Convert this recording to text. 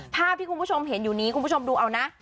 ภาพที่คุณผู้ชมเห็นอยู่นี้คุณผู้ชมดูเอานะ